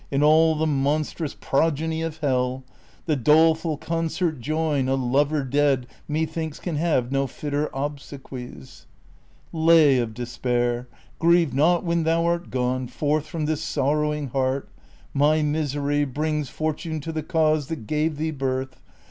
And all the monstrous progeny of hell, The doleful concert join : a lover dead Methinks can have no fitter obsequies. Lay of despair, grieve not when thou art gone Forth from this sorrowhig heart : my misery Brings fortune to the cause that gave thee birth ; Then banish sadness even in the tomb.